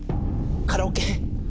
カラオケ。